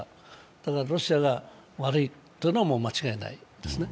だから、ロシアが悪いというのは間違いないですね。